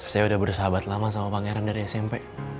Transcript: saya udah bersahabat lama sama pangeran dari smp